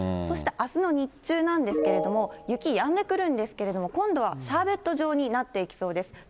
そしてあすの日中なんですけれども、雪、やんでくるんですけれども、今度はシャーベット状になっていきそうです。